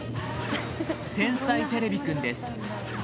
「天才てれびくん」です。